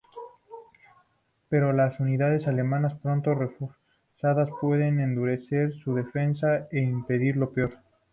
Pero las unidades alemanas pronto reforzadas pueden endurecer su defensa e impedir lo peor.